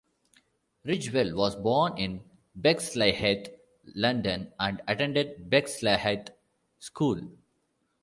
Ridgewell was born in Bexleyheath, London, and attended Bexleyheath School.